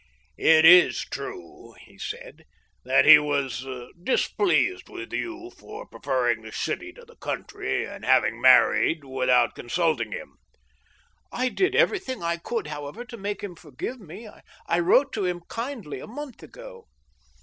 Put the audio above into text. *• It is true," he said, " that he was displeased with you for prefer ring the city to the country, and for having married without consult ing him." " I did everything I could, however, to make him foigive me ;..• I wrote to him kindly a month ago."